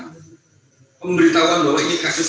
dan pengetahuan bahwa ini kasus